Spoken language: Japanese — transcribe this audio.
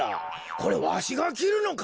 これわしがきるのか？